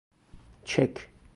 چک